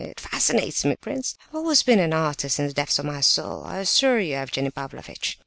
It fascinates me, prince. I have always been an artist in the depths of my soul, I assure you, Evgenie Pavlovitch."